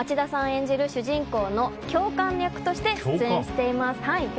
演じる主人公の教官役として出演しています。